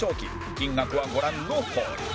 金額はご覧のとおり